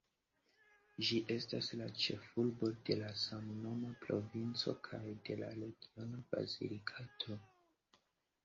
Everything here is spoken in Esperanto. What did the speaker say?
Ĝi estas la ĉefurbo de la samnoma provinco kaj de la regiono Basilikato.